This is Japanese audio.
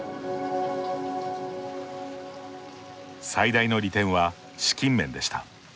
最大の利点は資金面でした。